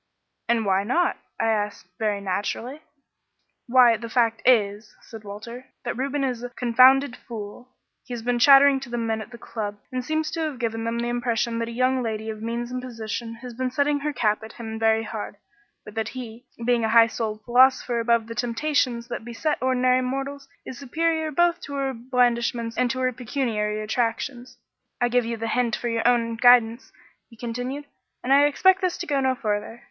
"'And why not?' I asked very naturally. "'Why, the fact is,' said Walter, 'that Reuben is a confounded fool. He has been chattering to the men at the club and seems to have given them the impression that a young lady of means and position has been setting her cap at him very hard, but that he, being a high souled philosopher above the temptations that beset ordinary mortals, is superior both to her blandishments and her pecuniary attractions. I give you the hint for your own guidance,' he continued, 'and I expect this to go no farther.